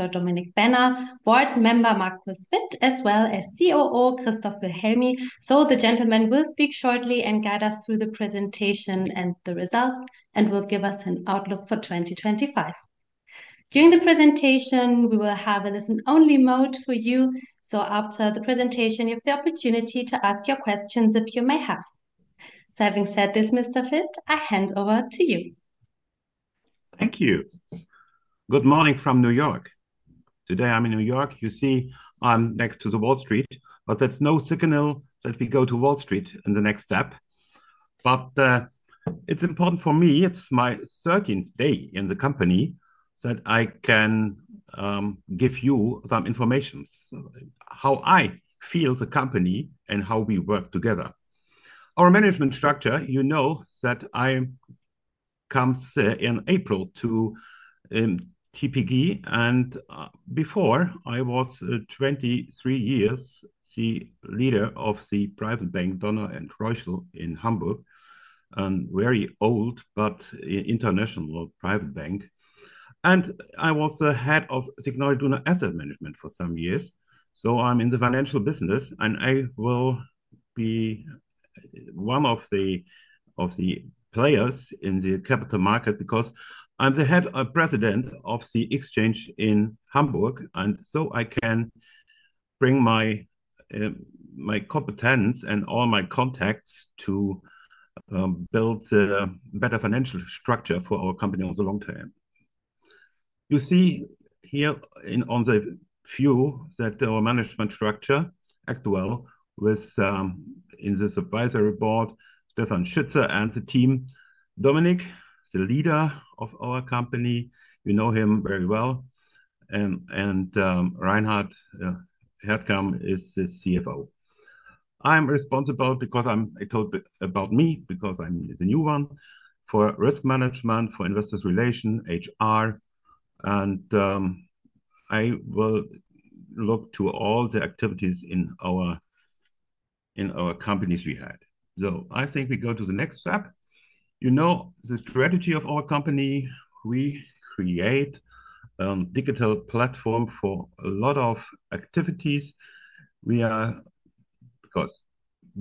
Dr. Dominik Benner, Board Member Marcus Vitt, as well as COO Christoph Wilhelmy. The gentlemen will speak shortly and guide us through the presentation and the results, and will give us an outlook for 2025. During the presentation, we will have a listen-only mode for you, so after the presentation, you have the opportunity to ask your questions if you may have. Having said this, Mr. Vitt, I hand over to you. Thank you. Good morning from New York. Today I'm in New York, you see, I'm next to the Wall Street, but that's no signal that we go to Wall Street in the next step. It is important for me, it's my 13th day in the company, so that I can give you some information on how I feel the company and how we work together. Our management structure, you know that I come in April to TPG, and before I was 23 years the leader of the private bank, Donner & Reuschel in Hamburg, a very old but international private bank. I was the head of SIGNAL IDUNA Asset Management for some years, so I'm in the financial business, and I will be one of the players in the capital market because I'm the head president of the exchange in Hamburg, and I can bring my competence and all my contacts to build a better financial structure for our company on the long term. You see here on the view that our management structure acts well within the supervisory board, Stefan Schütze and the team. Dominik is the leader of our company, you know him very well, and Reinhard Hetkamp is the CFO. I'm responsible because I told about me, because I'm the new one for risk management, for investor relations, HR, and I will look to all the activities in our companies we had. I think we go to the next step. You know the strategy of our company, we create a digital platform for a lot of activities. We are, because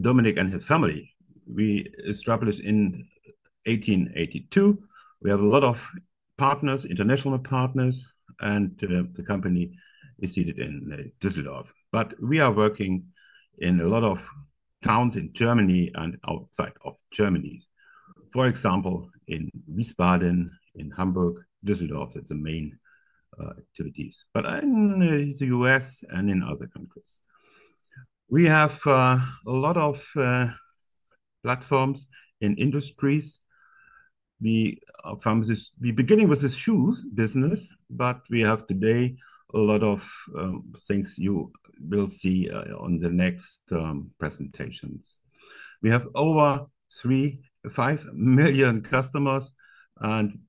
Dominik and his family, we established in 1882, we have a lot of partners, international partners, and the company is seated in Düsseldorf. We are working in a lot of towns in Germany and outside of Germany, for example, in Wiesbaden, in Hamburg, Düsseldorf, that's the main activities, in the U.S. and in other countries. We have a lot of platforms in industries. We begin with the shoes business, but we have today a lot of things you will see on the next presentations. We have over three to five million customers, and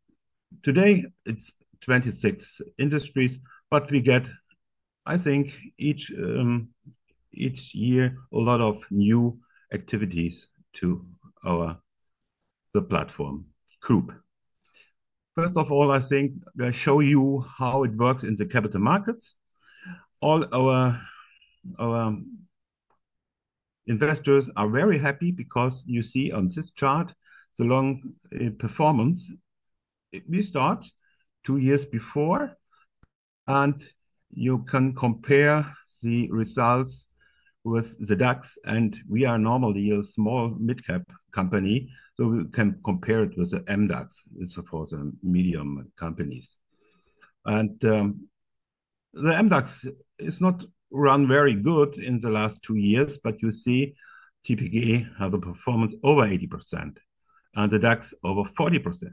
today it's 26 industries, but we get, I think, each year a lot of new activities to our platform group. First of all, I think I show you how it works in the capital markets. All our investors are very happy because you see on this chart the long performance. We start two years before, and you can compare the results with the DAX, and we are normally a small mid-cap company, so we can compare it with the MDAX, it's for the medium companies. The MDAX is not run very good in the last two years, but you see TPG has a performance over 80% and the DAX over 40%.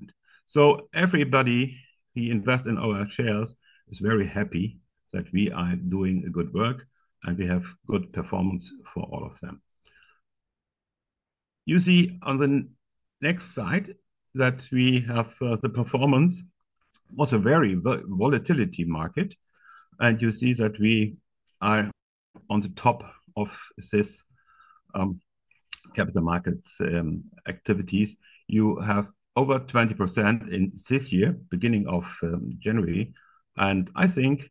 Everybody who invests in our shares is very happy that we are doing good work and we have good performance for all of them. You see on the next slide that we have the performance was a very volatile market, and you see that we are on the top of these capital markets activities. You have over 20% in this year, beginning of January, and I think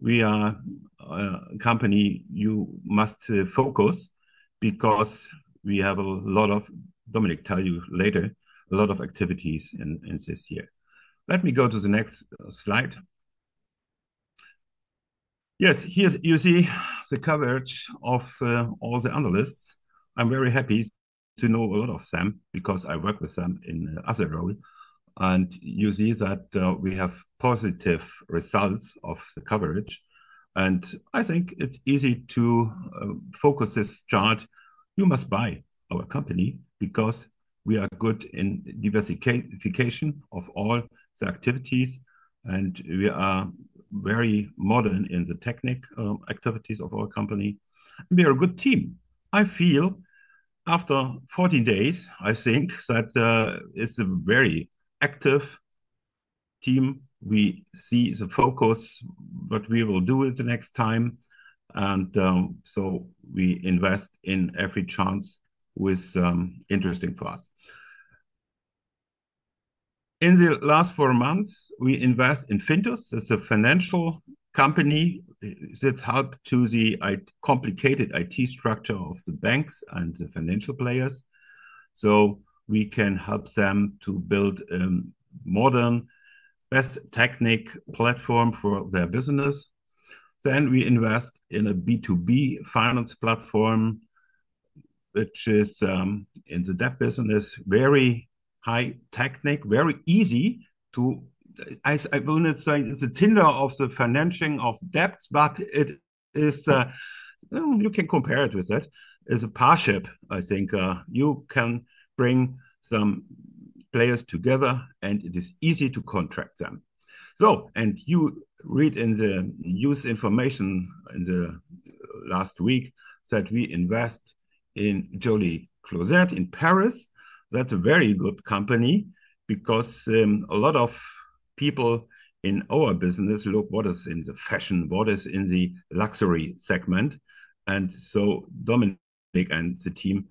we are a company you must focus on because we have a lot of, Dominik tells you later, a lot of activities in this year. Let me go to the next slide. Yes, here you see the coverage of all the analysts. I'm very happy to know a lot of them because I work with them in other roles, and you see that we have positive results of the coverage, and I think it's easy to focus this chart. You must buy our company because we are good in diversification of all the activities, and we are very modern in the technic activities of our company. We are a good team. I feel after 14 days, I think that it's a very active team. We see the focus, what we will do with the next time, and so we invest in every chance with interesting for us. In the last four months, we invest in Fintus Group. It's a financial company that helps to the complicated IT structure of the banks and the financial players, so we can help them to build a modern, best technic platform for their business. We invest in a B2B finance platform, which is in the debt business, very high technic, very easy to, I wouldn't say it's a tinder of the financing of debts, but it is, you can compare it with that, it's a parship, I think. You can bring some players together, and it is easy to contract them. You read in the news information in the last week that we invest in Joli Closet in Paris. That's a very good company because a lot of people in our business look what is in the fashion, what is in the luxury segment, and Dominik and the team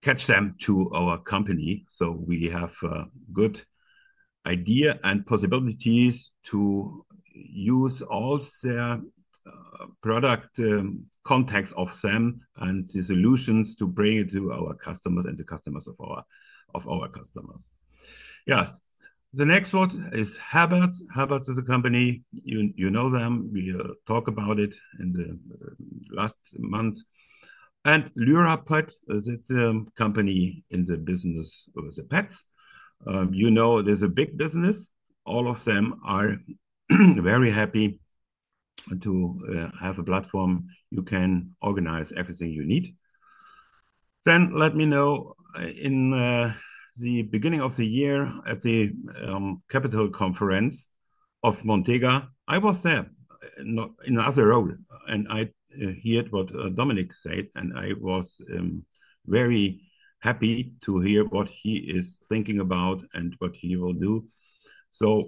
catch them to our company. We have a good idea and possibilities to use all their product context of them and the solutions to bring it to our customers and the customers of our customers. Yes, the next one is Herbert. Herbert is a company, you know them, we talk about it in the last month, and Lyrapet, that's a company in the business of the pets. You know there's a big business, all of them are very happy to have a platform, you can organize everything you need. Let me know in the beginning of the year at the Capital Conference of Montega, I was there in another role, and I hear what Dominik said, and I was very happy to hear what he is thinking about and what he will do.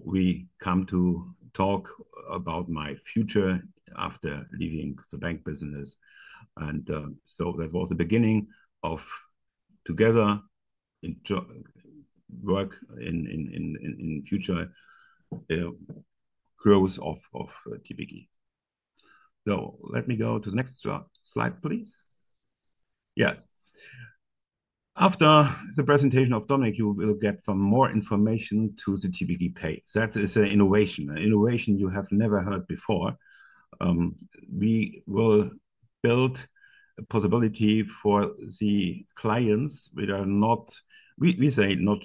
We come to talk about my future after leaving the bank business, and that was the beginning of together work in future growth of TPG. Let me go to the next slide, please. Yes, after the presentation of Dominik, you will get some more information to the TPGPay. That is an innovation, an innovation you have never heard before. We will build a possibility for the clients that are not, we say not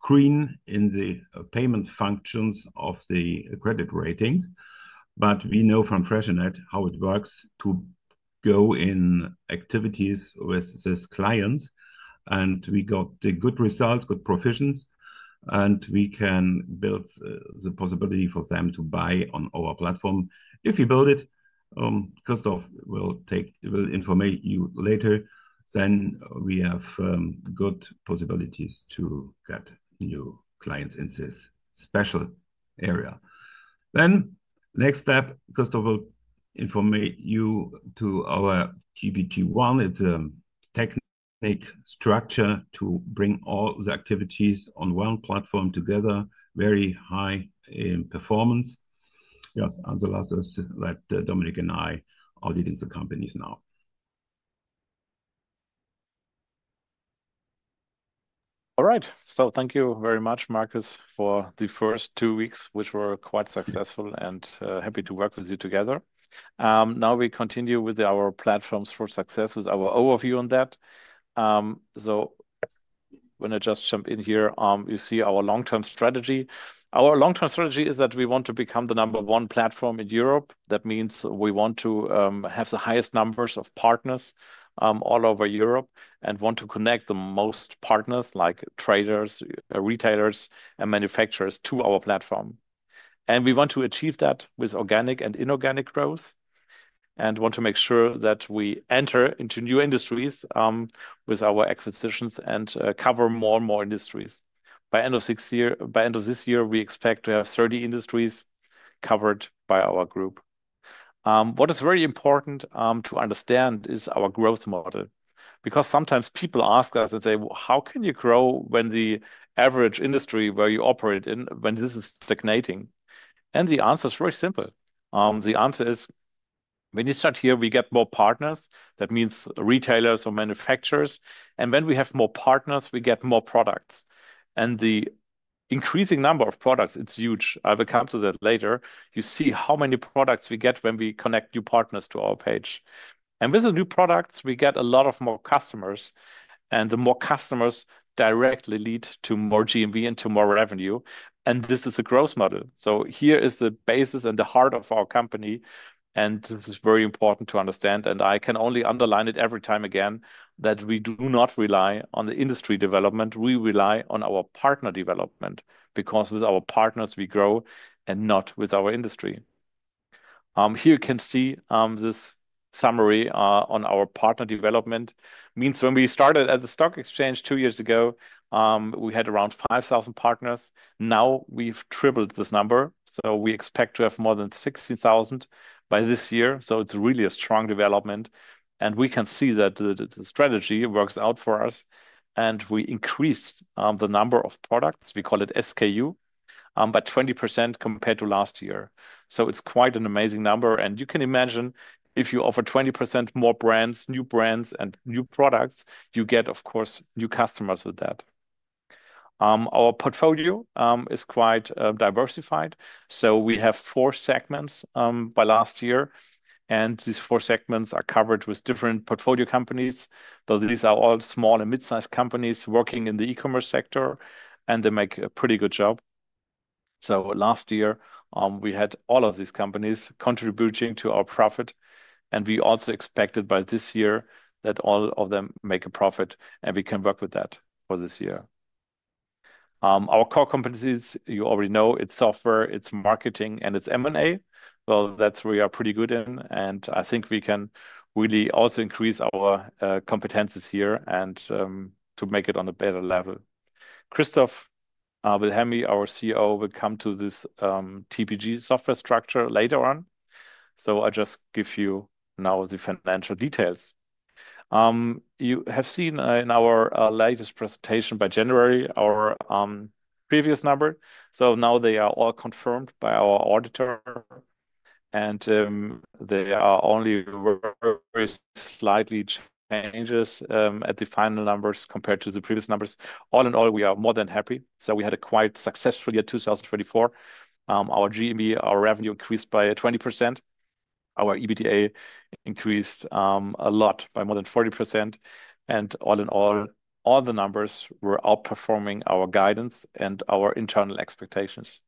green in the payment functions of the credit ratings, but we know from FreshNet how it works to go in activities with these clients, and we got the good results, good provisions, and we can build the possibility for them to buy on our platform. If you build it, Christoph will inform you later, then we have good possibilities to get new clients in this special area. The next step, Christoph will inform you to our GBT1, it's a technic structure to bring all the activities on one platform together, very high performance. Yes, and the last is that Dominik and I are leading the companies now. All right, thank you very much, Marcus, for the first two weeks, which were quite successful, and happy to work with you together. Now we continue with our platforms for success, with our overview on that. When I just jump in here, you see our long-term strategy. Our long-term strategy is that we want to become the number one platform in Europe. That means we want to have the highest numbers of partners all over Europe and want to connect the most partners like traders, retailers, and manufacturers to our platform. We want to achieve that with organic and inorganic growth and want to make sure that we enter into new industries with our acquisitions and cover more and more industries. By end of this year, we expect to have 30 industries covered by our group. What is very important to understand is our growth model because sometimes people ask us and say, "How can you grow when the average industry where you operate in, when this is stagnating?" The answer is very simple. The answer is when you start here, we get more partners, that means retailers or manufacturers, and when we have more partners, we get more products. The increasing number of products, it's huge. I will come to that later. You see how many products we get when we connect new partners to our page. With the new products, we get a lot of more customers, and the more customers directly lead to more GMV and to more revenue, and this is a growth model. Here is the basis and the heart of our company, and this is very important to understand, and I can only underline it every time again that we do not rely on the industry development, we rely on our partner development because with our partners we grow and not with our industry. Here you can see this summary on our partner development. It means when we started at the stock exchange two years ago, we had around 5,000 partners. Now we've tripled this number, so we expect to have more than 16,000 by this year, so it's really a strong development, and we can see that the strategy works out for us, and we increased the number of products, we call it SKU, by 20% compared to last year. It is quite an amazing number, and you can imagine if you offer 20% more brands, new brands and new products, you get, of course, new customers with that. Our portfolio is quite diversified, so we have four segments by last year, and these four segments are covered with different portfolio companies, but these are all small and mid-sized companies working in the e-commerce sector, and they make a pretty good job. Last year we had all of these companies contributing to our profit, and we also expected by this year that all of them make a profit, and we can work with that for this year. Our core competencies, you already know, are software, marketing, and M&A. That is where we are pretty good in, and I think we can really also increase our competencies here and make it on a better level. Christoph Wilhelmy, our COO, will come to this TPG software structure later on, so I'll just give you now the financial details. You have seen in our latest presentation by January our previous number, so now they are all confirmed by our auditor, and there are only very slightly changes at the final numbers compared to the previous numbers. All in all, we are more than happy, so we had a quite successful year 2024. Our GMV, our revenue increased by 20%. Our EBITDA increased a lot by more than 40%, and all in all, all the numbers were outperforming our guidance and our internal expectations.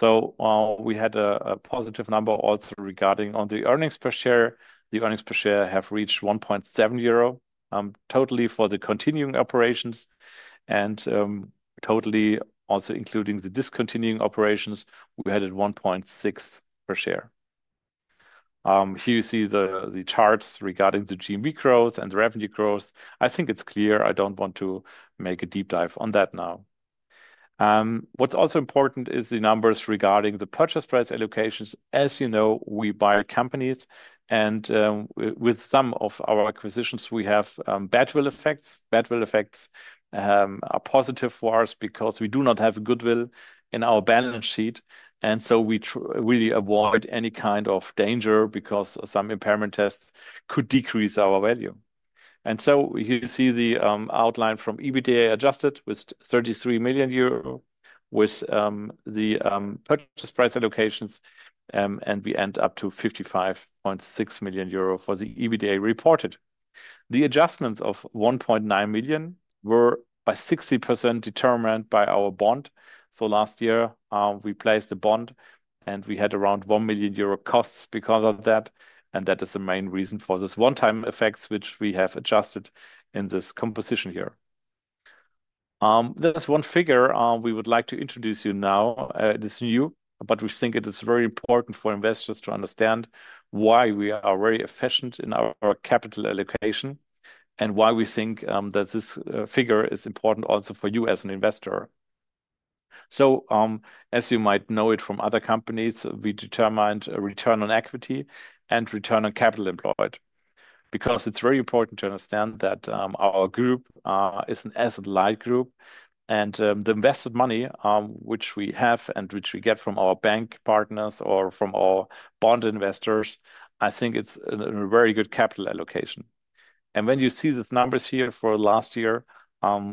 We had a positive number also regarding on the earnings per share. The earnings per share have reached 1.7 euro totally for the continuing operations, and totally also including the discontinuing operations, we had at 1.6 per share. Here you see the charts regarding the GMV growth and the revenue growth. I think it's clear. I don't want to make a deep dive on that now. What's also important is the numbers regarding the purchase price allocations. As you know, we buy companies, and with some of our acquisitions, we have bad will effects. Bad will effects are positive for us because we do not have goodwill in our balance sheet, and so we really avoid any kind of danger because some impairment tests could decrease our value. Here you see the outline from EBITDA adjusted with 33 million euro with the purchase price allocations, and we end up to 55.6 million euro for the EBITDA reported. The adjustments of 1.9 million were by 60% determined by our bond. Last year we placed a bond, and we had around 1 million euro costs because of that, and that is the main reason for this one-time effects, which we have adjusted in this composition here. There is one figure we would like to introduce you now, this new, but we think it is very important for investors to understand why we are very efficient in our capital allocation and why we think that this figure is important also for you as an investor. As you might know it from other companies, we determined return on equity and return on capital employed because it is very important to understand that our group is an asset-light group, and the invested money which we have and which we get from our bank partners or from our bond investors, I think it is a very good capital allocation. When you see these numbers here for last year,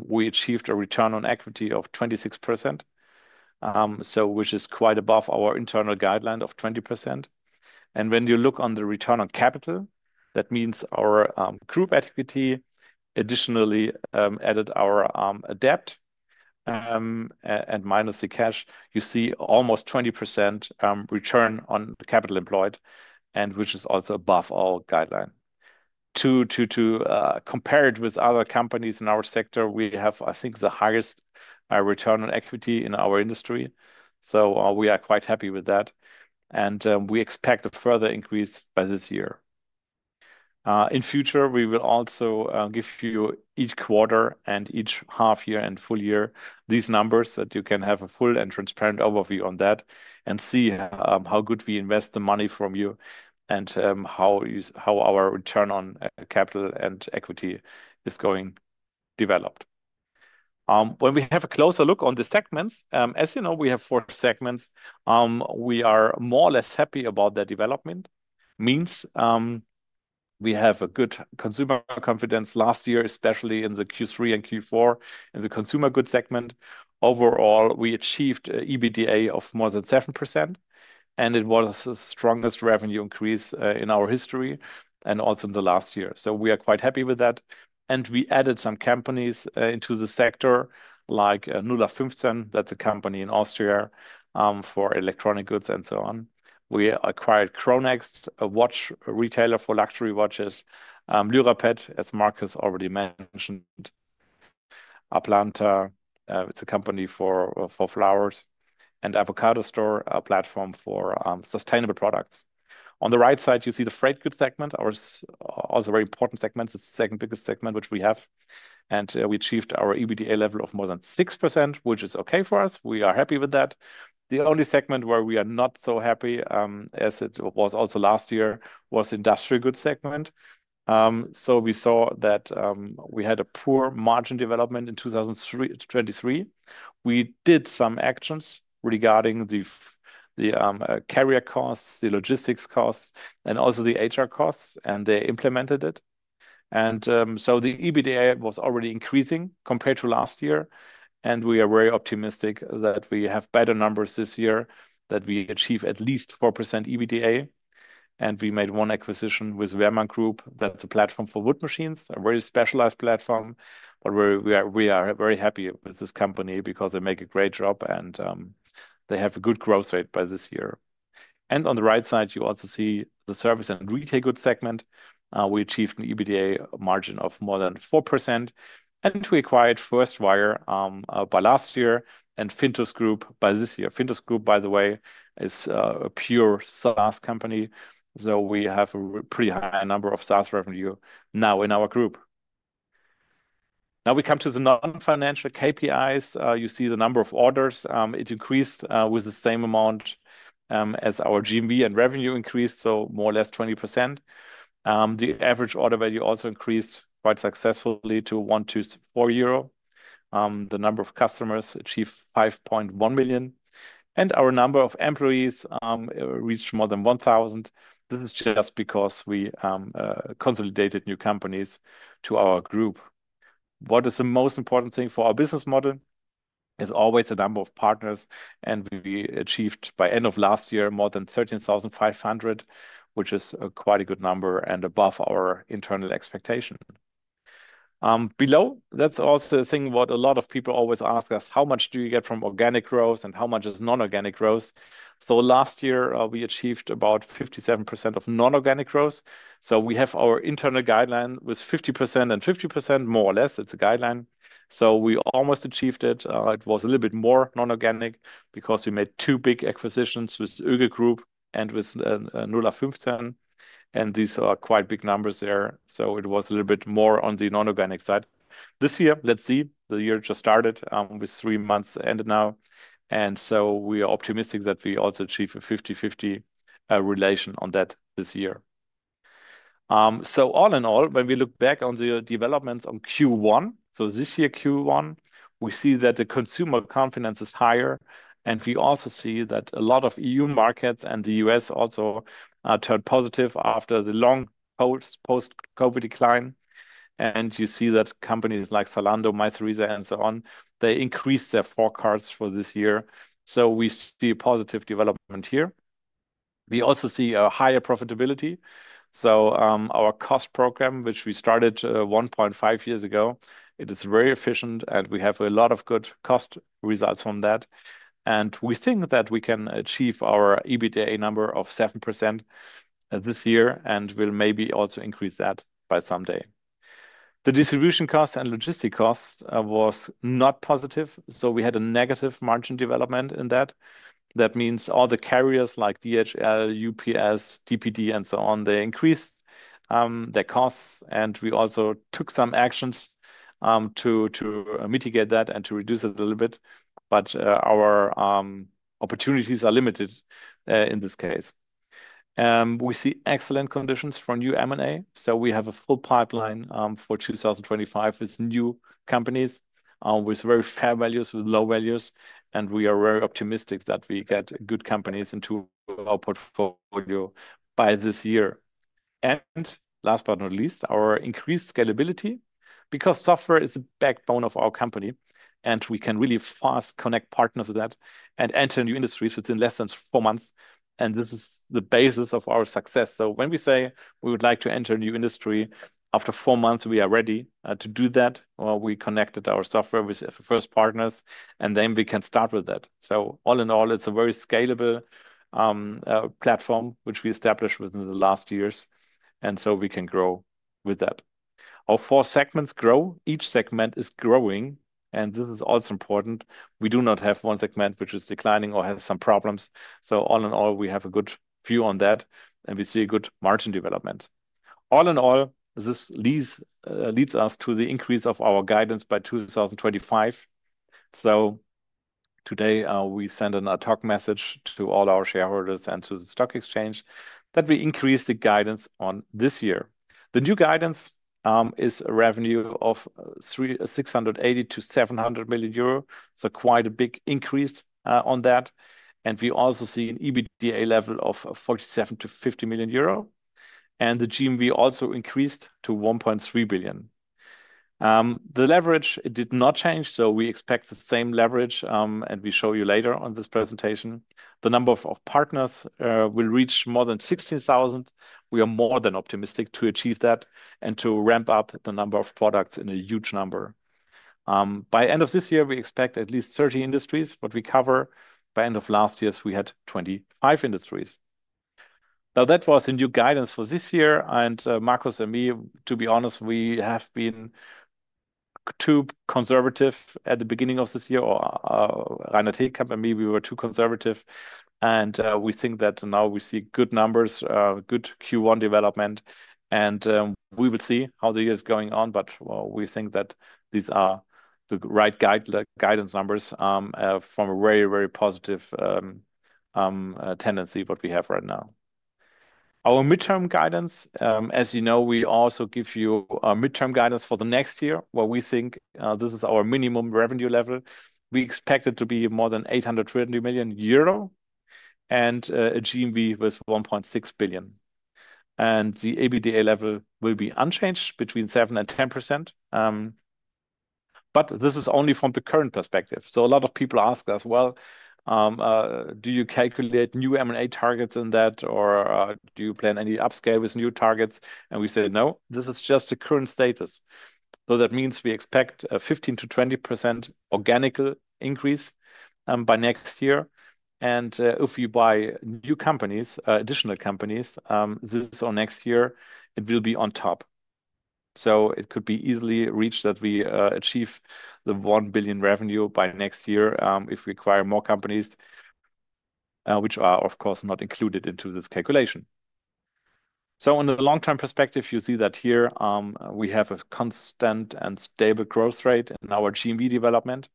we achieved a return on equity of 26%, which is quite above our internal guideline of 20%. When you look on the return on capital, that means our group equity additionally added our debt and minus the cash, you see almost 20% return on capital employed, which is also above our guideline. To compare it with other companies in our sector, we have, I think, the highest return on equity in our industry, so we are quite happy with that, and we expect a further increase by this year. In future, we will also give you each quarter and each half year and full year these numbers that you can have a full and transparent overview on that and see how good we invest the money from you and how our return on capital and equity is going developed. When we have a closer look on the segments, as you know, we have four segments. We are more or less happy about that development. Means we have a good consumer confidence last year, especially in the Q3 and Q4 in the consumer goods segment. Overall, we achieved EBITDA of more than 7%, and it was the strongest revenue increase in our history and also in the last year. We are quite happy with that, and we added some companies into the sector like NudaFimsten, that's a company in Austria for electronic goods and so on. We acquired CHRONEXT, a watch retailer for luxury watches. Lyrapet, as Marcus already mentioned, Aplanta, it's a company for flowers, and Avocado Store, a platform for sustainable products. On the right side, you see the freight goods segment, our also very important segment, it's the second biggest segment which we have, and we achieved our EBITDA level of more than 6%, which is okay for us. We are happy with that. The only segment where we are not so happy, as it was also last year, was the industrial goods segment. We saw that we had a poor margin development in 2023. We did some actions regarding the carrier costs, the logistics costs, and also the HR costs, and they implemented it. The EBITDA was already increasing compared to last year, and we are very optimistic that we have better numbers this year, that we achieve at least 4% EBITDA, and we made one acquisition with Wehrmann Group, that's a platform for wood machines, a very specialized platform, but we are very happy with this company because they make a great job and they have a good growth rate by this year. On the right side, you also see the service and retail goods segment. We achieved an EBITDA margin of more than 4%, and we acquired Firstwire by last year and Fintus Group by this year. Fintus Group, by the way, is a pure SaaS company, so we have a pretty high number of SaaS revenue now in our group. Now we come to the non-financial KPIs. You see the number of orders. It increased with the same amount as our GMV and revenue increased, so more or less 20%. The average order value also increased quite successfully to 124 euro. The number of customers achieved 5.1 million, and our number of employees reached more than 1,000. This is just because we consolidated new companies to our group. What is the most important thing for our business model? It's always the number of partners, and we achieved by end of last year more than 13,500, which is quite a good number and above our internal expectation. Below, that's also the thing what a lot of people always ask us, how much do you get from organic growth and how much is non-organic growth? Last year, we achieved about 57% of non-organic growth. We have our internal guideline with 50% and 50%, more or less, it's a guideline. We almost achieved it. It was a little bit more non-organic because we made two big acquisitions with Öger Group and with NudaFimsten, and these are quite big numbers there. It was a little bit more on the non-organic side. This year, let's see, the year just started with three months ended now, and we are optimistic that we also achieve a 50/50 relation on that this year. All in all, when we look back on the developments on Q1, this year Q1, we see that the consumer confidence is higher, and we also see that a lot of EU markets and the U.S. also turned positive after the long post-COVID decline. You see that companies like Zalando, Mytheresa, and so on, they increased their forecasts for this year. We see positive development here. We also see a higher profitability. Our cost program, which we started 1.5 years ago, is very efficient, and we have a lot of good cost results from that. We think that we can achieve our EBITDA number of 7% this year and will maybe also increase that by someday. The distribution costs and logistic costs were not positive, so we had a negative margin development in that. That means all the carriers like DHL, UPS, DPD, and so on, they increased their costs, and we also took some actions to mitigate that and to reduce it a little bit, but our opportunities are limited in this case. We see excellent conditions for new M&A, so we have a full pipeline for 2025 with new companies, with very fair values, with low values, and we are very optimistic that we get good companies into our portfolio by this year. Last but not least, our increased scalability because software is the backbone of our company, and we can really fast connect partners with that and enter new industries within less than four months. This is the basis of our success. When we say we would like to enter a new industry after four months, we are ready to do that. We connected our software with first partners, and then we can start with that. All in all, it is a very scalable platform which we established within the last years, and we can grow with that. Our four segments grow, each segment is growing, and this is also important. We do not have one segment which is declining or has some problems. All in all, we have a good view on that, and we see a good margin development. All in all, this leads us to the increase of our guidance by 2025. Today, we send a talk message to all our shareholders and to the stock exchange that we increased the guidance on this year. The new guidance is a revenue of 680 million-700 million euro, so quite a big increase on that. We also see an EBITDA level of 47 million-50 million euro, and the GMV also increased to 1.3 billion. The leverage did not change, so we expect the same leverage, and we show you later on this presentation. The number of partners will reach more than 16,000. We are more than optimistic to achieve that and to ramp up the number of products in a huge number. By end of this year, we expect at least 30 industries, but we cover by end of last year, we had 25 industries. Now, that was the new guidance for this year, and Marcus and me, to be honest, we have been too conservative at the beginning of this year. Reinhard Hetkamp and me, we were too conservative, and we think that now we see good numbers, good Q1 development, and we will see how the year is going on, but we think that these are the right guidance numbers from a very, very positive tendency what we have right now. Our midterm guidance, as you know, we also give you a midterm guidance for the next year where we think this is our minimum revenue level. We expect it to be more than 830 million euro and a GMV with 1.6 billion. And the EBITDA level will be unchanged between 7%-10%, but this is only from the current perspective. A lot of people ask us, well, do you calculate new M&A targets in that, or do you plan any upscale with new targets? We say, no, this is just the current status. That means we expect a 15%-20% organic increase by next year. If you buy new companies, additional companies, this is on next year, it will be on top. It could be easily reached that we achieve the 1 billion revenue by next year if we acquire more companies, which are of course not included into this calculation. In the long-term perspective, you see that here we have a constant and stable growth rate in our GMV development.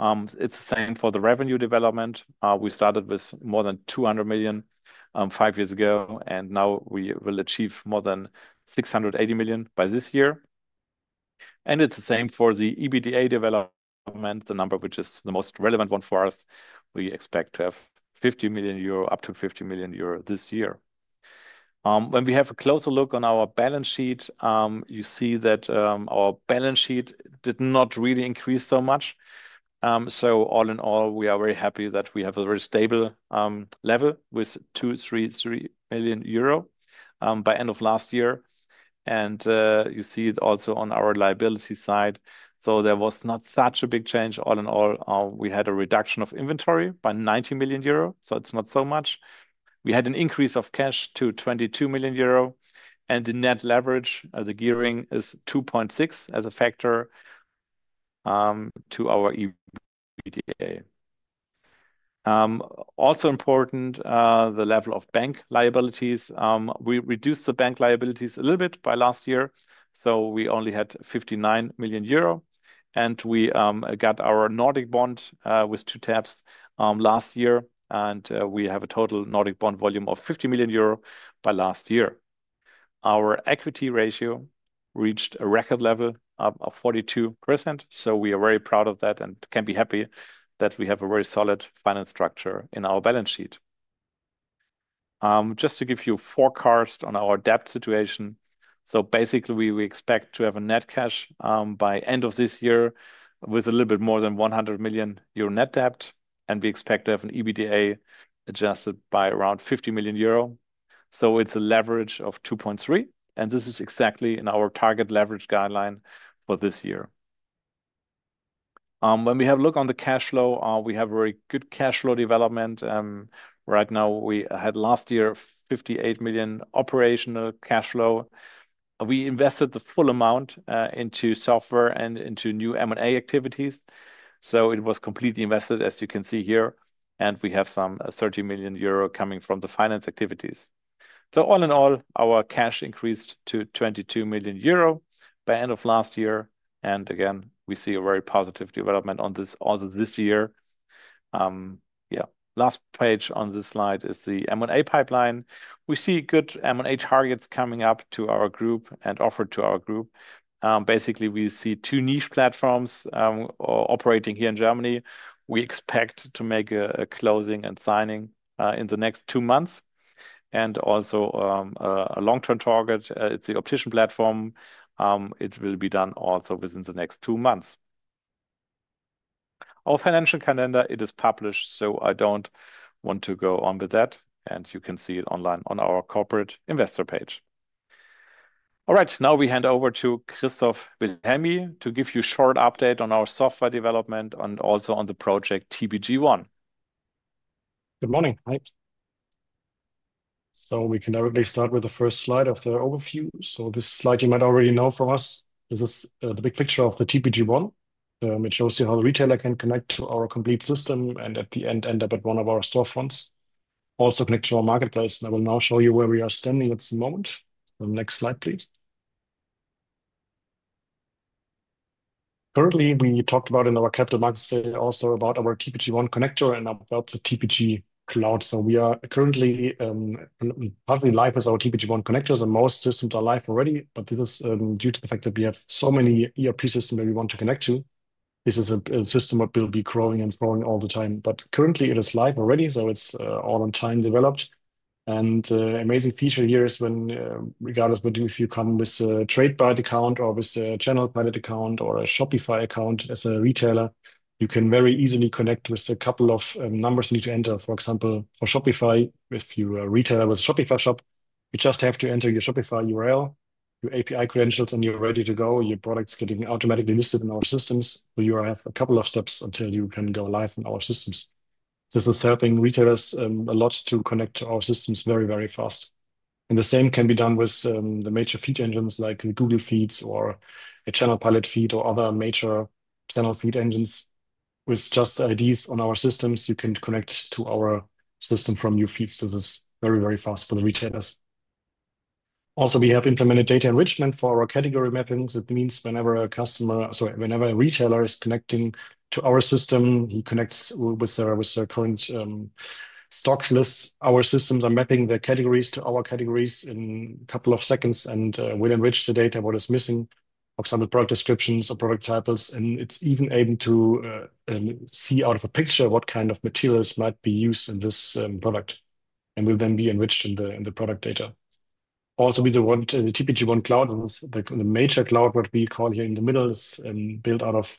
It's the same for the revenue development. We started with more than 200 million five years ago, and now we will achieve more than 680 million by this year. It's the same for the EBITDA development, the number which is the most relevant one for us. We expect to have 50 million euro, up to 50 million euro this year. When we have a closer look on our balance sheet, you see that our balance sheet did not really increase so much. All in all, we are very happy that we have a very stable level with 233 million euro by end of last year. You see it also on our liability side. There was not such a big change. All in all, we had a reduction of inventory by 90 million euro, so it's not so much. We had an increase of cash to 22 million euro, and the net leverage, the gearing is 2.6% as a factor to our EBITDA. Also important, the level of bank liabilities. We reduced the bank liabilities a little bit by last year, so we only had 59 million euro, and we got our Nordic bond with two taps last year, and we have a total Nordic bond volume of 50 million euro by last year. Our equity ratio reached a record level of 42%, so we are very proud of that and can be happy that we have a very solid finance structure in our balance sheet. Just to give you forecast on our debt situation, so basically we expect to have a net cash by end of this year with a little bit more than 100 million euro net debt, and we expect to have an EBITDA adjusted by around 50 million euro. It is a leverage of 2.3%, and this is exactly in our target leverage guideline for this year. When we have a look on the cash flow, we have a very good cash flow development. Right now, we had last year 58 million operational cash flow. We invested the full amount into software and into new M&A activities, so it was completely invested, as you can see here, and we have some 30 million euro coming from the finance activities. All in all, our cash increased to 22 million euro by end of last year, and again, we see a very positive development on this also this year. Yeah, last page on this slide is the M&A pipeline. We see good M&A targets coming up to our group and offered to our group. Basically, we see two niche platforms operating here in Germany. We expect to make a closing and signing in the next two months and also a long-term target. It's the optician platform. It will be done also within the next two months. Our financial calendar, it is published, so I don't want to go on with that, and you can see it online on our corporate investor page. All right, now we hand over to Christoph Wilhelmy to give you a short update on our software development and also on the project TPG One. Good morning, Mike. We can directly start with the first slide of the overview. This slide you might already know from us. This is the big picture of the TPG One. It shows you how the retailer can connect to our complete system and at the end end up at one of our store fronts, also connect to our marketplace. I will now show you where we are standing at the moment. Next slide, please. Currently, we talked about in our capital markets also about our TPG One connector and about the TPG Cloud. We are currently partly live with our TPG One connectors. Most systems are live already, but this is due to the fact that we have so many ERP systems that we want to connect to. This is a system that will be growing and growing all the time, but currently it is live already, so it's all on time developed. The amazing feature here is when, regardless of whether you come with a TradePilot account or with a ChannelPilot account or a Shopify account as a retailer, you can very easily connect with a couple of numbers you need to enter. For example, for Shopify, if you are a retailer with a Shopify shop, you just have to enter your Shopify URL, your API credentials, and you're ready to go. Your products get automatically listed in our systems, so you have a couple of steps until you can go live on our systems. This is helping retailers a lot to connect to our systems very, very fast. The same can be done with the major feed engines like the Google Feeds or a ChannelPilot feed or other major channel feed engines. With just IDs on our systems, you can connect to our system from your feeds. This is very, very fast for the retailers. Also, we have implemented data enrichment for our category mappings. It means whenever a customer, sorry, whenever a retailer is connecting to our system, he connects with their current stock lists. Our systems are mapping the categories to our categories in a couple of seconds and will enrich the data about what is missing, for example, product descriptions or product titles. It is even able to see out of a picture what kind of materials might be used in this product and will then be enriched in the product data. Also, we want the TPG One Cloud, the major cloud what we call here in the middle, is built out of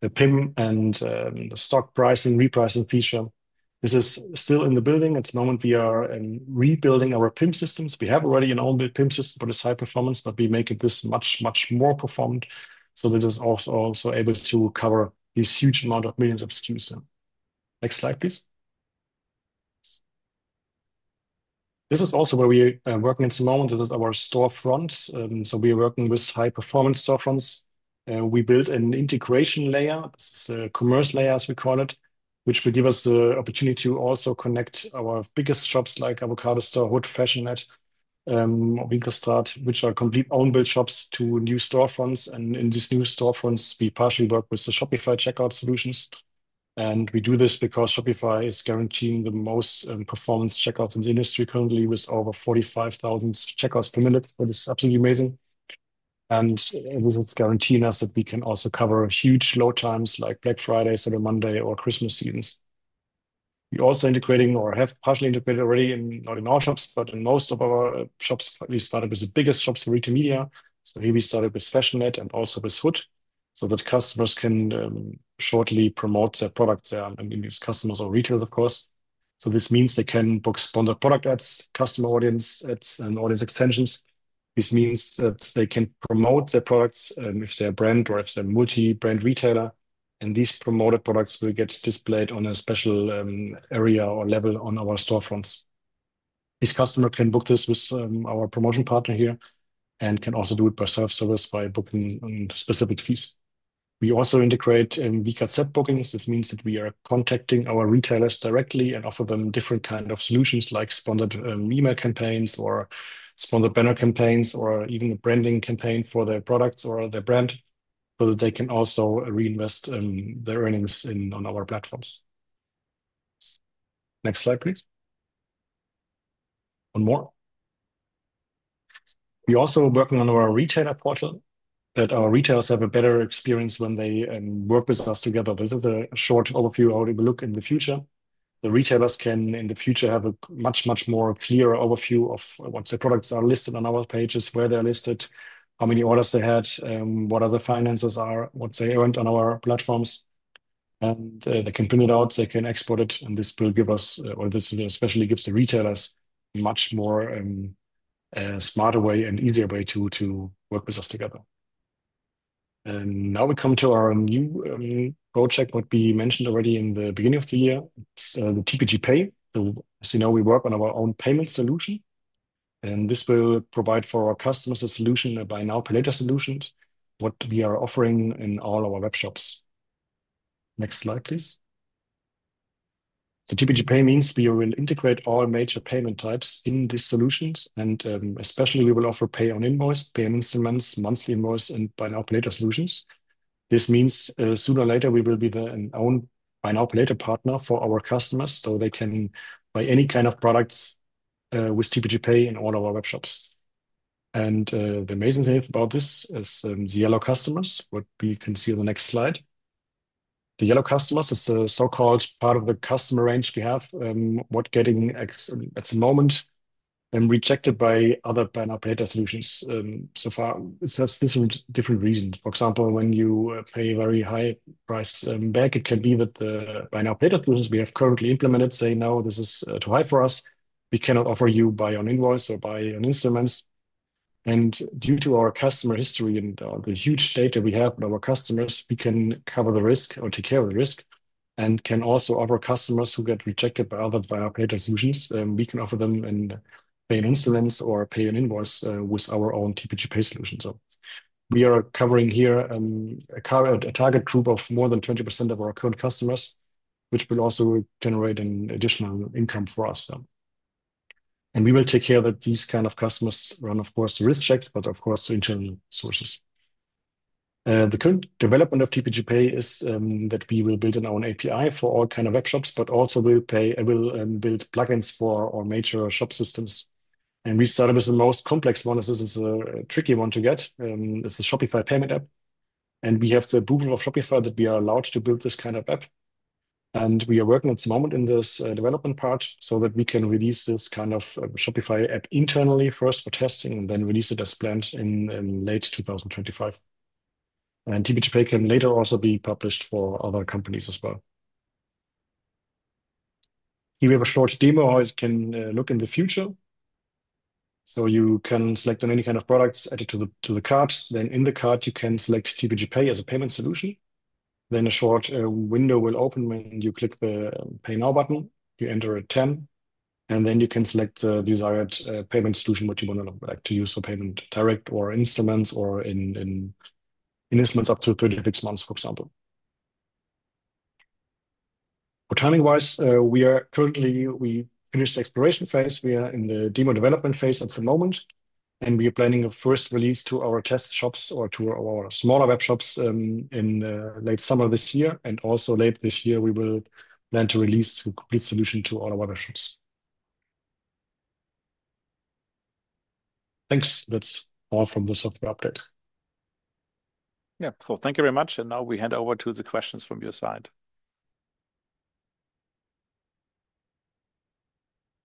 the PIM and the stock pricing, repricing feature. This is still in the building. At the moment, we are rebuilding our PIM systems. We have already an onboard PIM system, but it is high performance, but we make it this much, much more performant. This is also able to cover this huge amount of millions of SKUs. Next slide, please. This is also where we are working at the moment. This is our store front. We are working with high-performance store fronts. We built an integration layer. This is a commerce layer, as we call it, which will give us the opportunity to also connect our biggest shops like Avocado Store, Hood Fashioned, or Winkelstraat, which are complete onboard shops to new store fronts. In these new store fronts, we partially work with the Shopify checkout solutions. We do this because Shopify is guaranteeing the most performance checkouts in the industry currently with over 45,000 checkouts per minute, which is absolutely amazing. This is guaranteeing us that we can also cover huge load times like Black Friday, Cyber Monday, or Christmas seasons. We are also integrating or have partially integrated already, not in all shops, but in most of our shops. We started with the biggest shops in retail media. Here we started with Fashioned and also with Hood so that customers can shortly promote their products and customers or retailers, of course. This means they can book sponsored product ads, customer audience ads, and audience extensions. This means that they can promote their products if they're a brand or if they're a multi-brand retailer. These promoted products will get displayed on a special area or level on our store fronts. This customer can book this with our promotion partner here and can also do it by self-service by booking on specific fees. We also integrate VCAT set bookings. This means that we are contacting our retailers directly and offer them different kinds of solutions like sponsored email campaigns or sponsored banner campaigns or even a branding campaign for their products or their brand so that they can also reinvest their earnings on our platforms. Next slide, please. One more. We're also working on our retailer portal that our retailers have a better experience when they work with us together. This is a short overview of how they will look in the future. The retailers can in the future have a much, much more clearer overview of what their products are listed on our pages, where they're listed, how many orders they had, what the finances are, what they earned on our platforms. They can print it out, they can export it, and this will give us, or this especially gives the retailers a much smarter way and easier way to work with us together. Now we come to our new project, what we mentioned already in the beginning of the year, the TPGPay. As you know, we work on our own payment solution. This will provide for our customers a buy now pay later solution, what we are offering in all our web shops. Next slide, please. TPGPay means we will integrate all major payment types in these solutions, and especially we will offer pay on invoice, pay on instruments, monthly invoice, and buy now pay later solutions. This means sooner or later we will be our own buy now pay later partner for our customers so they can buy any kind of products with TPGPay in all our web shops. The amazing thing about this is the yellow customers, what we can see on the next slide. The yellow customers, it is a so-called part of the customer range we have, what is getting at the moment rejected by other buy now pay later solutions so far. It has different reasons. For example, when you pay a very high price back, it can be that the buy now pay later solutions we have currently implemented say, no, this is too high for us. We cannot offer you buy on invoice or buy on instruments. Due to our customer history and the huge data we have with our customers, we can cover the risk or take care of the risk and can also offer customers who get rejected by other buy now pay later solutions. We can offer them pay in instruments or pay on invoice with our own TPGPay solution. We are covering here a target group of more than 20% of our current customers, which will also generate an additional income for us. We will take care that these kinds of customers run, of course, risk checks, but of course to internal sources. The current development of TPGPay is that we will build an own API for all kinds of web shops, but also we'll build plugins for our major shop systems. We started with the most complex one. This is a tricky one to get. It's a Shopify payment app. We have the approval of Shopify that we are allowed to build this kind of app. We are working at the moment in this development part so that we can release this kind of Shopify app internally first for testing and then release it as planned in late 2025. TPGPay can later also be published for other companies as well. Here we have a short demo of how it can look in the future. You can select on any kind of products, add it to the cart. In the cart, you can select TPGPay as a payment solution. A short window will open when you click the pay now button. You enter a 10, and then you can select the desired payment solution you want to use for payment direct or instruments or in installments up to 36 months, for example. For timing wise, we are currently, we finished the exploration phase. We are in the demo development phase at the moment, and we are planning a first release to our test shops or to our smaller web shops in late summer this year. Also late this year, we will plan to release a complete solution to all our web shops. Thanks. That is all from the software update. Thank you very much. Now we hand over to the questions from your side.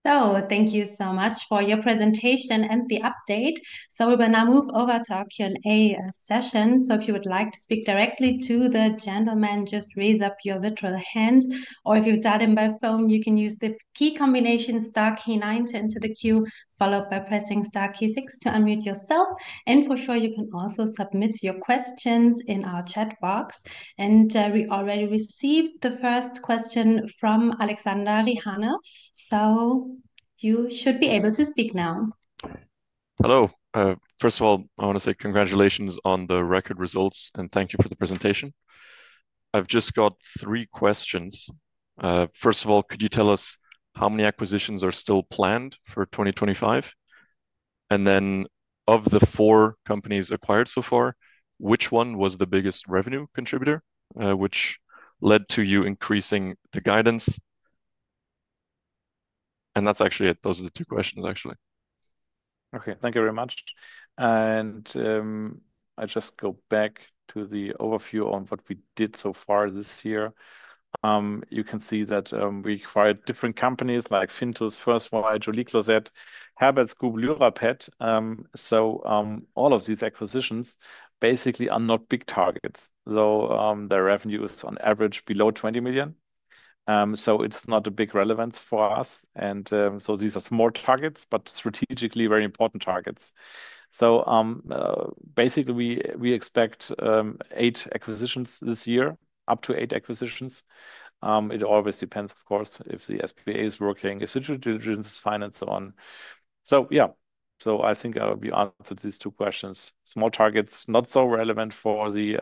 Thank you so much for your presentation and the update. We will now move over to our Q&A session. If you would like to speak directly to the gentlemen, just raise up your virtual hand. If you've done it by phone, you can use the key combination star key nine to enter the queue, followed by pressing star key six to unmute yourself. For sure, you can also submit your questions in our chat box. We already received the first question from Alexander Riemann. You should be able to speak now. Hello. First of all, I want to say congratulations on the record results and thank you for the presentation. I've just got three questions. First of all, could you tell us how many acquisitions are still planned for 2025? Of the four companies acquired so far, which one was the biggest revenue contributor, which led to you increasing the guidance? That is actually it. Those are the two questions, actually. Okay, thank you very much. I will just go back to the overview on what we did so far this year. You can see that we acquired different companies like Fintus, FirstWire, Joli Closet, HerbertZ GmbH, Lyrapet. All of these acquisitions basically are not big targets. Their revenue is on average below 20 million. It is not a big relevance for us. These are small targets, but strategically very important targets. We expect eight acquisitions this year, up to eight acquisitions. It always depends, of course, if the SPA is working, if due diligence is fine, and so on. I think I will be answering these two questions. Small targets, not so relevant for the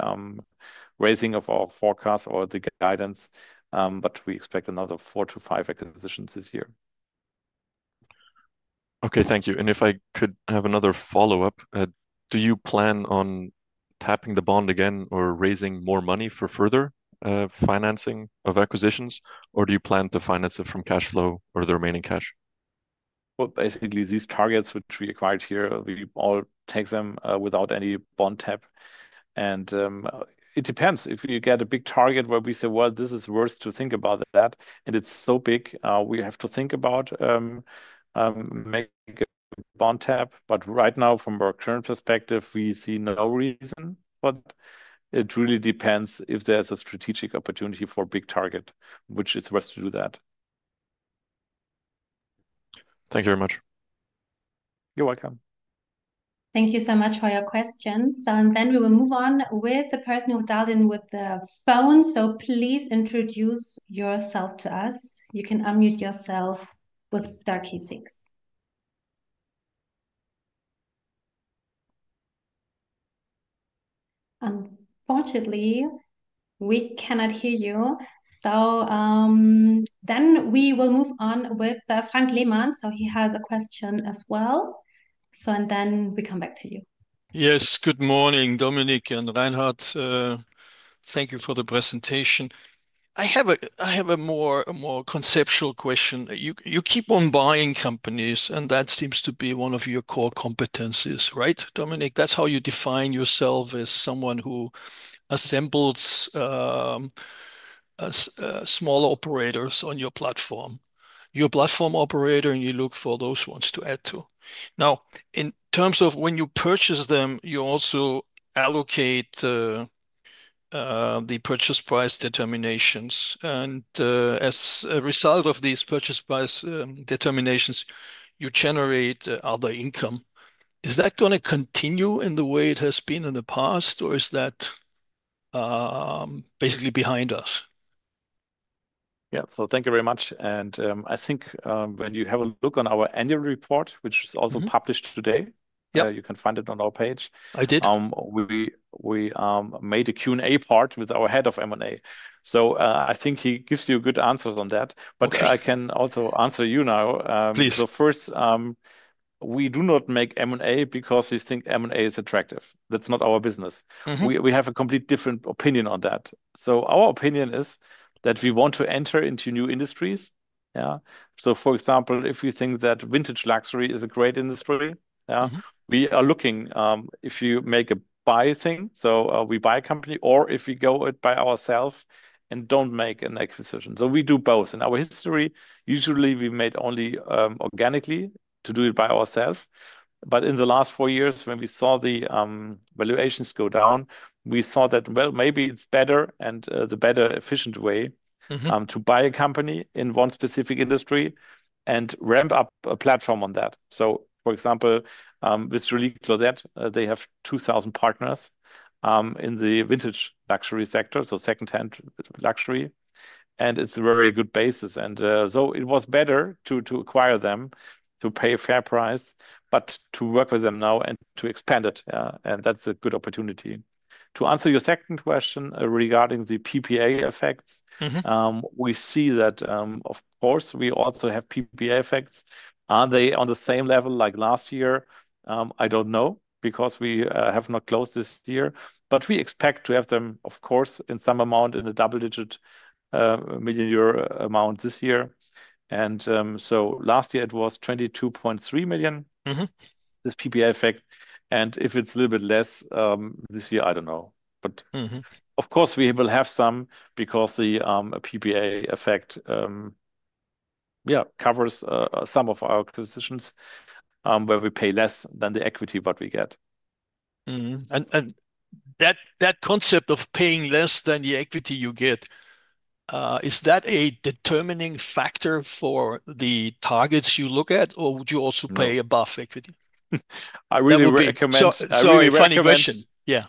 raising of our forecast or the guidance, but we expect another four to five acquisitions this year. Okay, thank you. If I could have another follow-up, do you plan on tapping the bond again or raising more money for further financing of acquisitions, or do you plan to finance it from cash flow or the remaining cash? Basically these targets which we acquired here, we all take them without any bond tap. It depends. If you get a big target where we say, this is worth to think about that, and it's so big, we have to think about making a bond tap. Right now, from our current perspective, we see no reason, but it really depends if there's a strategic opportunity for a big target, which is worth to do that. Thank you very much. You're welcome. Thank you so much for your questions. We will move on with the person who dialed in with the phone. Please introduce yourself to us. You can unmute yourself with star key six. Unfortunately, we cannot hear you. We will move on with Frank Lehmann. He has a question as well. Then we come back to you. Yes, good morning, Dominik and Reinhard. Thank you for the presentation. I have a more conceptual question. You keep on buying companies, and that seems to be one of your core competencies, right, Dominik? That is how you define yourself as someone who assembles small operators on your platform. You are a platform operator, and you look for those ones to add to. Now, in terms of when you purchase them, you also allocate the purchase price determinations. As a result of these purchase price determinations, you generate other income. Is that going to continue in the way it has been in the past, or is that basically behind us? Yeah, thank you very much. I think when you have a look on our annual report, which is also published today, you can find it on our page. I did. We made a Q&A part with our head of M&A. I think he gives you good answers on that. I can also answer you now. Please. First, we do not make M&A because we think M&A is attractive. That is not our business. We have a complete different opinion on that. Our opinion is that we want to enter into new industries. Yeah. For example, if you think that vintage luxury is a great industry, yeah, we are looking if you make a buy thing. We buy a company or if we go it by ourselves and don't make an acquisition. We do both. In our history, usually we made only organically to do it by ourselves. In the last four years, when we saw the valuations go down, we thought that maybe it's better and the better efficient way to buy a company in one specific industry and ramp up a platform on that. For example, with Joli Closet, they have 2,000 partners in the Vintage Luxury Sector, so secondhand luxury. It's a very good basis. It was better to acquire them to pay a fair price, but to work with them now and to expand it. That's a good opportunity. To answer your second question regarding the PPA effects, we see that, of course, we also have PPA effects. Are they on the same level like last year? I don't know because we have not closed this year, but we expect to have them, of course, in some amount in the double-digit million Euro amount this year. Last year it was 22.3 million this PPA effect. If it's a little bit less this year, I don't know. Of course, we will have some because the PPA effect covers some of our acquisitions where we pay less than the equity what we get. That concept of paying less than the equity you get, is that a determining factor for the targets you look at, or would you also pay above equity? I really recommend. It's a funny question.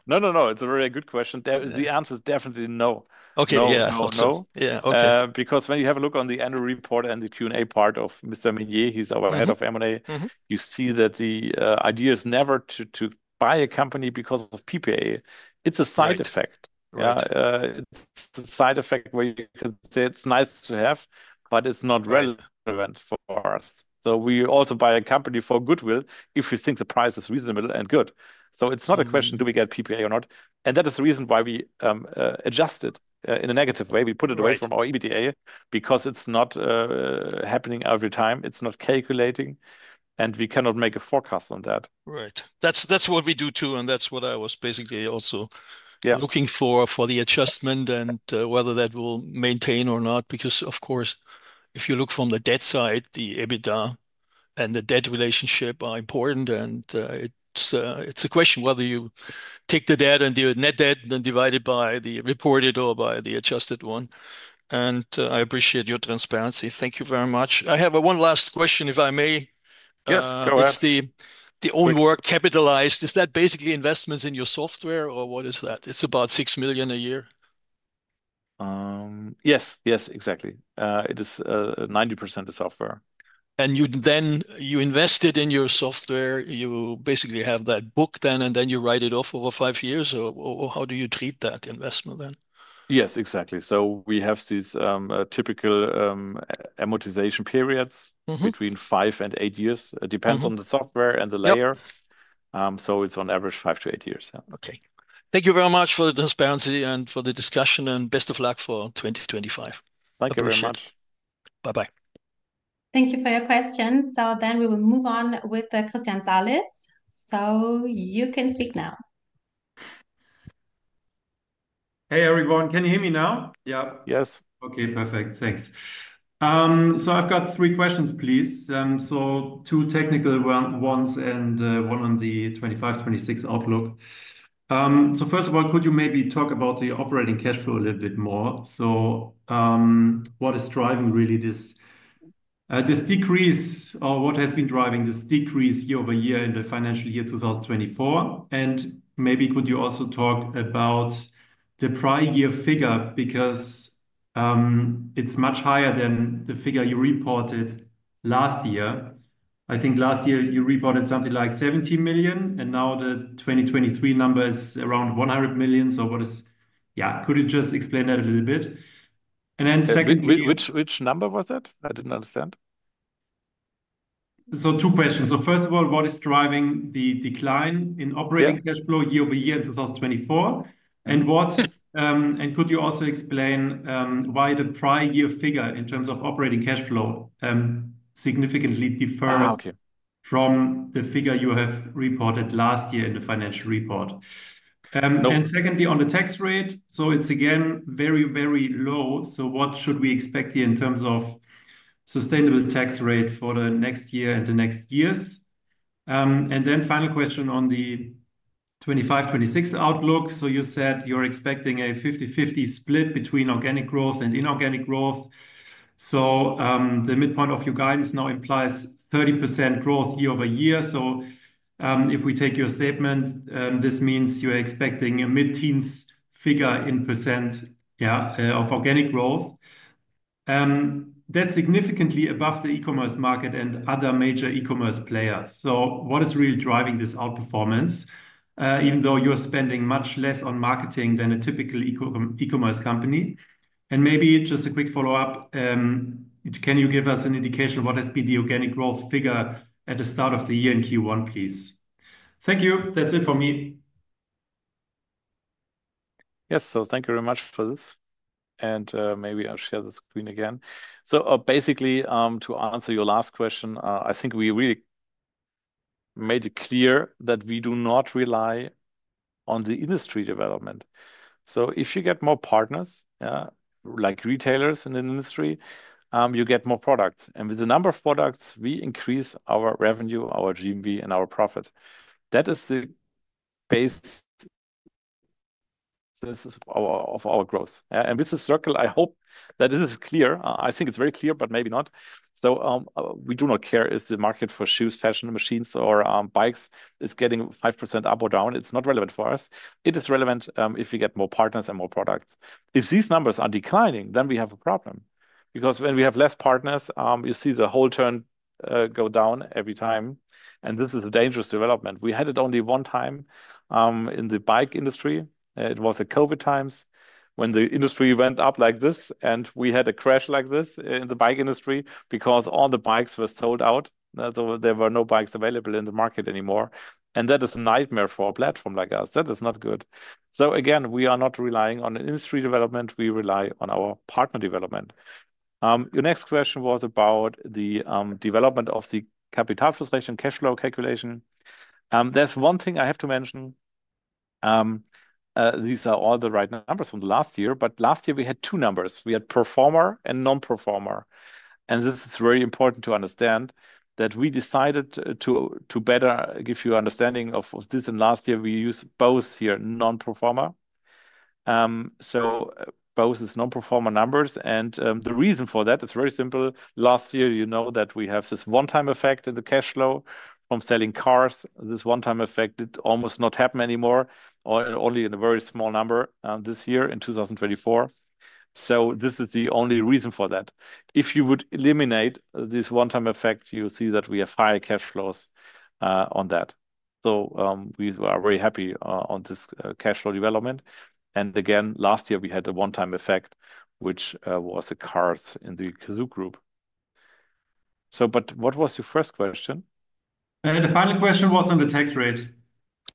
No, no, no. It's a very good question. The answer is definitely no. Okay. No, no, no. Yeah. Okay. Because when you have a look on the annual report and the Q&A part of Mr. Minnier, he's our head of M&A, you see that the idea is never to buy a company because of PPA. It's a side effect. It's a side effect where you can say it's nice to have, but it's not relevant for us. We also buy a company for goodwill if we think the price is reasonable and good. It's not a question do we get PPA or not. That is the reason why we adjust it in a negative way. We put it away from our EBITDA because it's not happening every time. It's not calculating. We cannot make a forecast on that. Right. That's what we do too. That is what I was basically also looking for, for the adjustment and whether that will maintain or not. Because of course, if you look from the debt side, the EBITDA and the debt relationship are important. It is a question whether you take the debt and do a net debt and then divide it by the reported or by the adjusted one. I appreciate your transparency. Thank you very much. I have one last question, if I may. Yes, go ahead. It is the own work capitalized. Is that basically investments in your software or what is that? It is about 6 million a year. Yes, yes, exactly. It is 90% of software. Then you invest it in your software. You basically have that book then, and then you write it off over five years. Or how do you treat that investment then? Yes, exactly. We have these typical amortization periods between five and eight years. It depends on the software and the layer. It is on average five to eight years. Okay. Thank you very much for the transparency and for the discussion. Best of luck for 2025. Thank you very much. Bye-bye. Thank you for your questions. We will move on with Christian Salis. You can speak now. Hey, everyone, can you hear me now? Yeah. Yes. Okay, perfect. Thanks. I have three questions, please. Two technical ones and one on the 2025-2026 outlook. First of all, could you maybe talk about the operating cash flow a little bit more? What is driving really this decrease or what has been driving this decrease year over year in the financial year 2024? Maybe could you also talk about the prior year figure because it is much higher than the figure you reported last year. I think last year you reported something like 17 million, and now the 2023 number is around 100 million. What is, yeah, could you just explain that a little bit? Which number was that? I did not understand. Two questions. First of all, what is driving the decline in operating cash flow year over year in 2024? Could you also explain why the prior year figure in terms of operating cash flow significantly differs from the figure you have reported last year in the financial report? Secondly, on the tax rate, it is again very, very low. What should we expect here in terms of sustainable tax rate for the next year and the next years? Final question on the 2025-2026 outlook. You said you're expecting a 50/50 split between organic growth and inorganic growth. The midpoint of your guidance now implies 30% growth year-over-year. If we take your statement, this means you're expecting a mid-teens figure in percent, yeah, of organic growth. That's significantly above the e-commerce market and other major e-commerce players. What is really driving this outperformance, even though you're spending much less on marketing than a typical e-commerce company? Maybe just a quick follow-up, can you give us an indication of what has been the organic growth figure at the start of the year in Q1, please? Thank you. That's it for me. Yes, thank you very much for this. Maybe I'll share the screen again. Basically, to answer your last question, I think we really made it clear that we do not rely on the industry development. If you get more partners, like retailers in the industry, you get more products. With the number of products, we increase our revenue, our GMV, and our profit. That is the base of our growth. With the circle, I hope that this is clear. I think it's very clear, but maybe not. We do not care if the market for shoes, fashion machines, or bikes is getting 5% up or down. It's not relevant for us. It is relevant if we get more partners and more products. If these numbers are declining, then we have a problem. Because when we have less partners, you see the whole turn go down every time. This is a dangerous development. We had it only one time in the bike industry. It was at COVID times when the industry went up like this, and we had a crash like this in the bike industry because all the bikes were sold out. There were no bikes available in the market anymore. That is a nightmare for a platform like us. That is not good. Again, we are not relying on industry development. We rely on our partner development. Your next question was about the development of the capital frustration cash flow calculation. There is one thing I have to mention. These are all the right numbers from last year. Last year, we had two numbers. We had performer and non-performer. This is very important to understand that we decided to better give you an understanding of this in last year. We use both here, non-performer. Both are non-performer numbers. The reason for that is very simple. Last year, you know that we had this one-time effect in the cash flow from selling cars. This one-time effect did almost not happen anymore, or only in a very small number this year in 2024. This is the only reason for that. If you would eliminate this one-time effect, you see that we have higher cash flows on that. We are very happy on this cash flow development. Again, last year, we had a one-time effect, which was the cars in the Cazoo group. What was your first question? The final question was on the tax rate.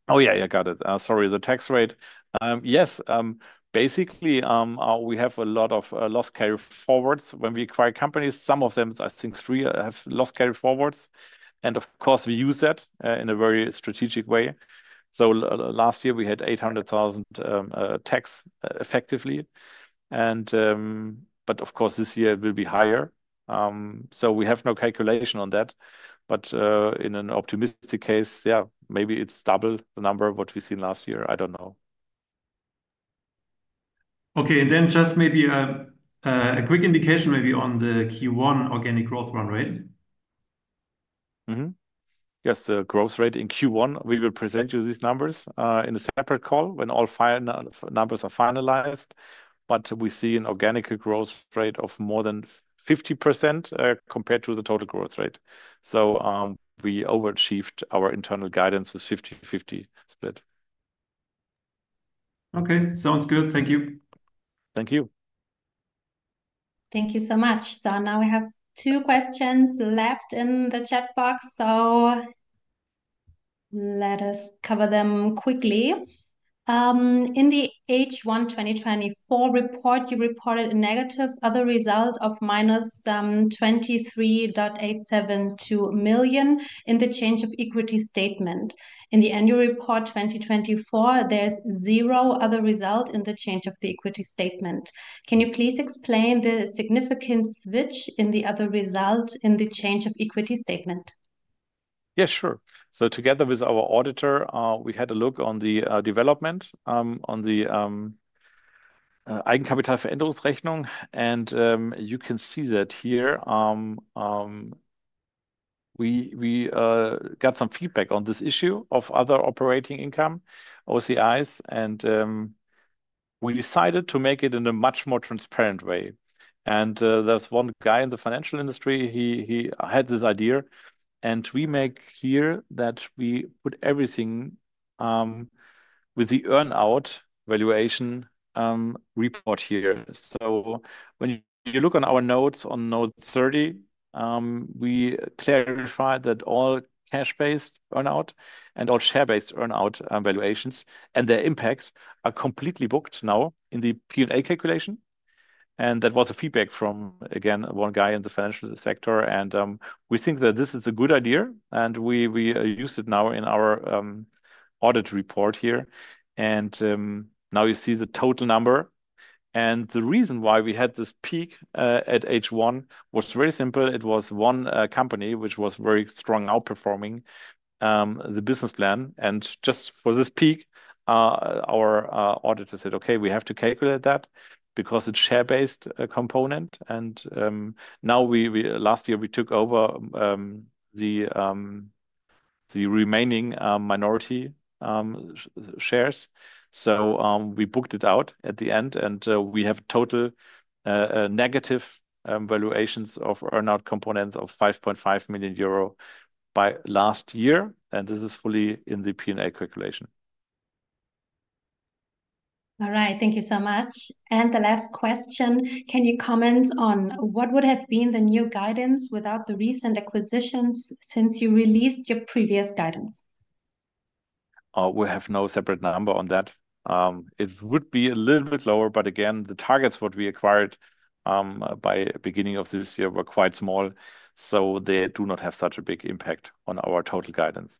Oh, yeah, got it. Sorry, the tax rate. Yes, basically, we have a lot of loss carry forwards when we acquire companies. Some of them, I think, have loss carry forwards. Of course, we use that in a very strategic way. Last year, we had 800,000 tax effectively. Of course, this year will be higher. We have no calculation on that. In an optimistic case, maybe it is double the number of what we have seen last year. I do not know. Okay. Maybe a quick indication on the Q1 organic growth run, right? Yes, the growth rate in Q1, we will present you these numbers in a separate call when all numbers are finalized. We see an organic growth rate of more than 50% compared to the total growth rate. We overachieved our internal guidance with a 50/50 split. Okay. Sounds good. Thank you. Thank you. Thank you so much. We have two questions left in the chat box. Let us cover them quickly. In the H1 2024 report, you reported a negative other result of -23.872 million in the change of equity statement. In the annual report 2024, there's zero other result in the change of the equity statement. Can you please explain the significant switch in the other result in the change of equity statement? Yes, sure. Together with our auditor, we had a look on the development on the Eigenkapitalveränderungsrechnung. You can see that here. We got some feedback on this issue of other operating income OCIs. We decided to make it in a much more transparent way. There is one guy in the financial industry. He had this idea. We make here that we put everything with the earn-out valuation report here. When you look on our notes on note 30, we clarified that all cash-based earn-out and all share-based earn-out valuations and their impact are completely booked now in the P&L calculation. That was a feedback from, again, one guy in the financial sector. We think that this is a good idea. We use it now in our audit report here. Now you see the total number. The reason why we had this peak at H1 was very simple. It was one company, which was very strong outperforming the business plan. Just for this peak, our auditor said, okay, we have to calculate that because it's a share-based component. Now last year, we took over the remaining minority shares. We booked it out at the end. We have total negative valuations of earn-out components of 5.5 million euro by last year. This is fully in the P&L calculation. All right. Thank you so much. The last question, can you comment on what would have been the new guidance without the recent acquisitions since you released your previous guidance? We have no separate number on that. It would be a little bit lower. Again, the targets we acquired by beginning of this year were quite small. They do not have such a big impact on our total guidance.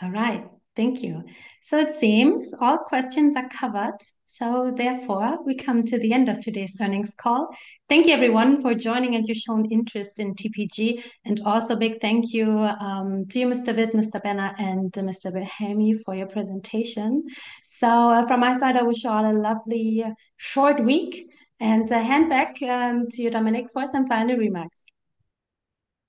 All right. Thank you. It seems all questions are covered. Therefore, we come to the end of today's earnings call. Thank you, everyone, for joining and your shown interest in TPG. Also, big thank you to you, Mr. Vitt, Mr. Benner, and Mr. Wilhelmy for your presentation. From my side, I wish you all a lovely short week. I hand back to you, Dominik, for some final remarks.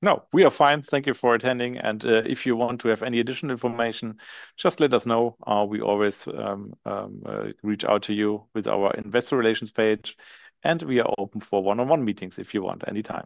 No, we are fine. Thank you for attending. If you want to have any additional information, just let us know. We always reach out to you with our investor relations page. We are open for one-on-one meetings if you want anytime.